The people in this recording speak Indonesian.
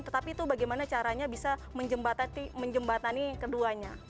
tetapi itu bagaimana caranya bisa menjembatani keduanya